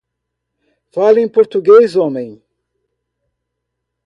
Fale em português, homem!